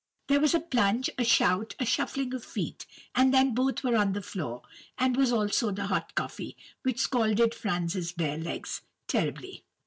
"There was a plunge, a shout, a shuffling of feet, and then both were on the floor, as was also the hot coffee, which scalded Franz's bare legs terribly.